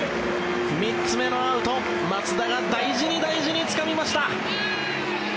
３つ目のアウト、松田が大事に大事につかみました。